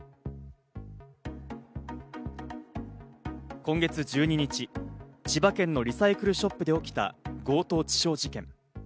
今月１２日、千葉県のリサイクルショップで起きた強盗致傷事件。